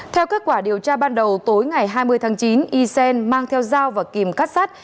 theo kết quả điều tra ban đầu tối ngày hai mươi tháng chín y xen mang theo dao và kìm cắt sát